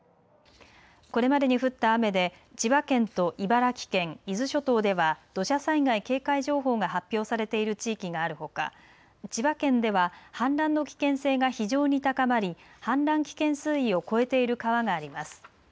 これまでに降った雨で千葉県と茨城県、伊豆諸島では土砂災害警戒情報が発表されている地域があるほか、千葉県では氾濫の危険性が非常に高まり氾濫危険水位を超えている川があります。